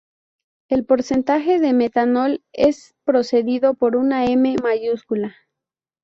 El porcentaje de metanol es precedido por una M mayúscula.